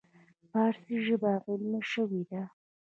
فارسي ژبه علمي شوې ده.